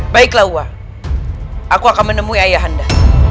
baiklah hua aku akan menemui ayahanda